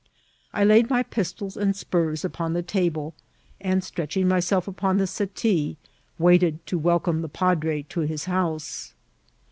I laid my pistols and spurs upon the table, and stretching myself upon the settee, waited to welcome the padre to his house.